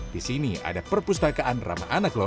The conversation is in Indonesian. di sini ada pustakaan ramah anak lho